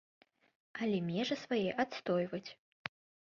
Але межы свае адстойваць.